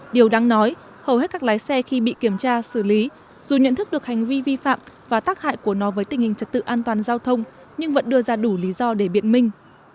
điều đáng nói hầu hết các lái xe khi bị kiểm tra xử lý dù nhận thức được hành vi vi phạm và tác hại của nó với tình hình trật tự an toàn giao thông nhưng vẫn đưa ra đủ lý do để biện minh